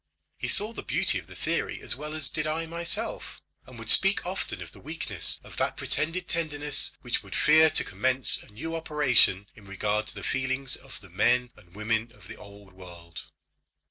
He saw the beauty of the theory as well as did I myself, and would speak often of the weakness of that pretended tenderness which would fear to commence a new operation in regard to the feelings of the men and women of the old world.